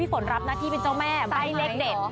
ฝนรับหน้าที่เป็นเจ้าแม่ใบ้เลขเด็ด